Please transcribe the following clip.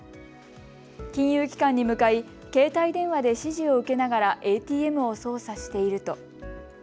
金融機関に向かい、携帯電話で指示を受けながらＡＴＭを操作していると。